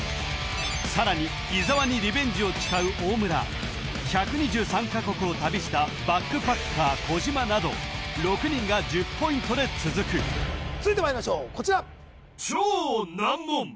さらに伊沢にリベンジを誓う大村１２３か国を旅したバックパッカー小島など６人が１０ポイントで続く続いてまいりましょうこちら